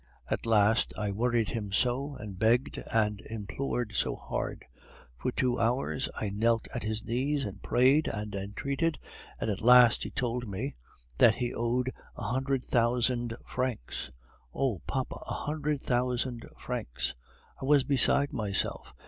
At last I worried him so, and begged and implored so hard; for two hours I knelt at his knees and prayed and entreated, and at last he told me that he owed a hundred thousand francs. Oh! papa! a hundred thousand francs! I was beside myself!